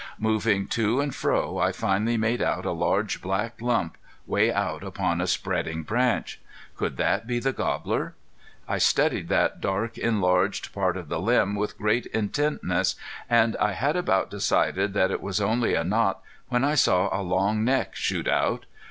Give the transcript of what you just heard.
Moving to and fro I finally made out a large black lump way out upon a spreading branch. Could that be the gobbler? I studied that dark enlarged part of the limb with great intentness, and I had about decided that it was only a knot when I saw a long neck shoot out.